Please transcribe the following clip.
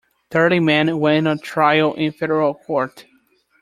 Thirty men went on trial in Federal court.